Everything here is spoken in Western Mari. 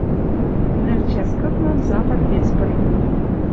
«Нӹл чӓс кытлан запад вец пыренӹт...»